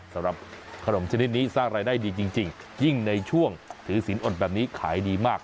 สำหรับขนมชนิดนี้สร้างรายได้ดีจริงยิ่งในช่วงถือศีลอดแบบนี้ขายดีมาก